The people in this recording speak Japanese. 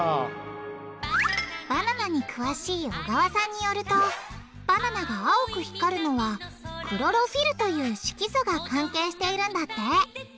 バナナに詳しい小川さんによるとバナナが青く光るのはクロロフィルという色素が関係しているんだって。